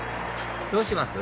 どうします？